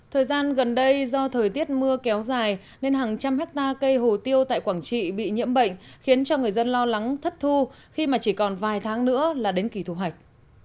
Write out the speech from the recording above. thời gian gần đây do thời tiết mưa kéo dài nên hàng trăm hectare cây hồ tiêu tại quảng trị bị nhiễm bệnh khiến cho người dân lo lắng thất thu khi mà chỉ còn vài tháng nữa là đến kỳ thu hoạch